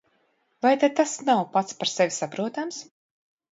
Vai tad tas nav pats par sevi saprotams?